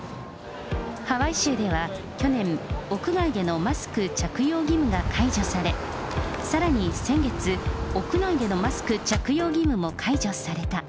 ハワイ州では去年、屋外でのマスク着用義務が解除され、さらに先月、屋内でのマスク着用義務も解除された。